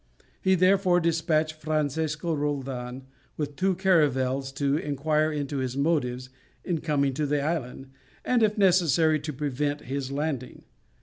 He therefore despatched Francesco Roldan with two caravels to inquire into his motives in coming to the island, and if necessary to prevent his landing.